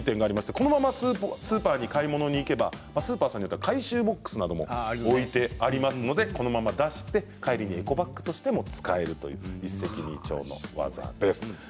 このままスーパーに買い物に行けばスーパーさんによっては回収ボックスなども置いてありますのでこのまま出して、帰りにエコバッグとして使えるという一石二鳥の技です。